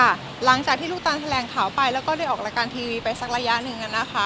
หลังจากที่ลูกตานแถลงข่าวไปแล้วก็ได้ออกรายการทีวีไปสักระยะหนึ่ง